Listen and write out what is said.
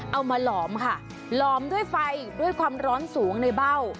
หลอมค่ะหลอมด้วยไฟด้วยความร้อนสูงในเบ้า